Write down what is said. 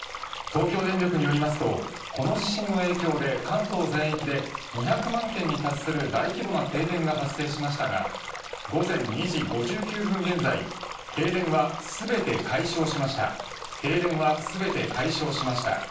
東京電力によりますとこの地震の影響で関東全域で２００万軒に達する大規模な停電が発生しましたが午前２時５９分現在停電は全て解消しました。